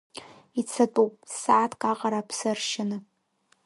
Ицатәуп, сааҭк аҟара аԥсы аршьаны.